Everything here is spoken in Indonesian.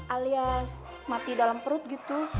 alias mati dalam perut gitu